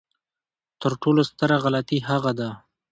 تر ټولو ستره غلطي هغه ده.